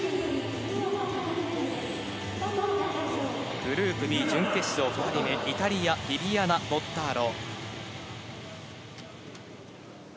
グループＢ準決勝２人目、イタリアのビビアナ・ボッターロ。